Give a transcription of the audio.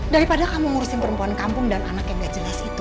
daripada kamu ngurusin perempuan kampung dan anak yang gak jelas itu